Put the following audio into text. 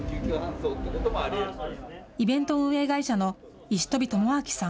イベント運営会社の石飛智紹さん。